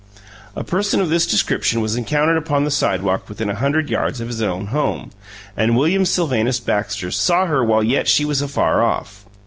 A person of this description was encountered upon the sidewalk within a hundred yards of his own home, and William Sylvanus Baxter saw her while yet she was afar off.